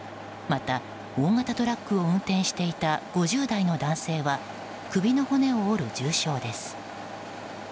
また、大型トラックを運転していた５０代の男性は首の骨を折る重傷です。